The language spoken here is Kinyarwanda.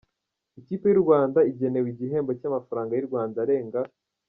Ikipe y’u Rwanda igenewe igihembo cy’amafaranga y’u Rwanda arenga .